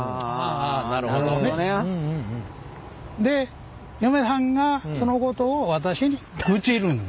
あなるほどね。で嫁はんがそのことを私に愚痴る。